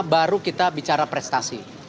baru kita bicara prestasi